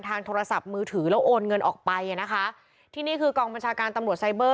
โทรศัพท์มือถือแล้วโอนเงินออกไปอ่ะนะคะที่นี่คือกองบัญชาการตำรวจไซเบอร์